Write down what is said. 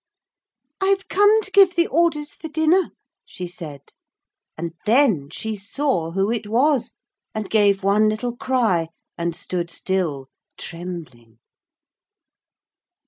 'I've come to give the orders for dinner,' she said; and then she saw who it was, and gave one little cry and stood still, trembling.